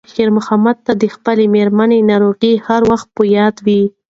خیر محمد ته د خپلې مېرمنې ناروغي هر وخت په یاد وه.